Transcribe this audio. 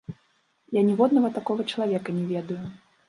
Я ніводнага такога чалавека не ведаю.